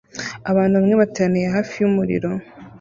Abantu bamwe bateraniye hafi yumuriro